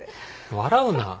笑うな。